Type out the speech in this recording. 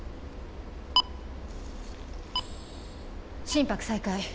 心拍再開。